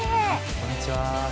こんにちは。